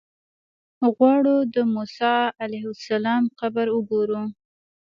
غواړو د موسی علیه السلام قبر وګورو.